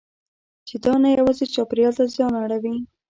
چې دا نه یوازې چاپېریال ته زیان اړوي.